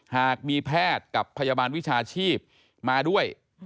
หากมีแพทย์กับพยาบาลวิชาชีพมาด้วย